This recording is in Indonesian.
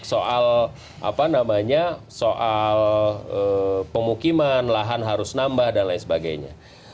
soal pemukiman lahan harus nambah dan lain sebagainya